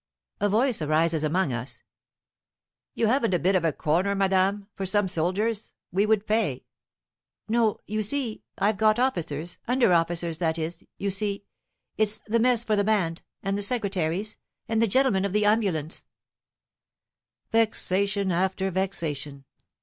A voice arises among us, "You haven't a bit of a corner, madame, for some soldiers? We would pay." "No you see, I've got officers under officers, that is you see, it's the mess for the band, and the secretaries, and the gentlemen of the ambulance " Vexation after vexation.